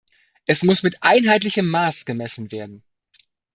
Es muss mit einheitlichem Maß gemessen werden.